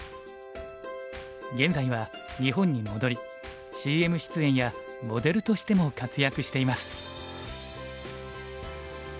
現在は日本に戻りＣＭ出演やモデルとしても活躍しています。